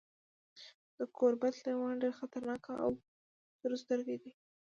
د ګوربت لیوان ډیر خطرناک او سورسترګي دي.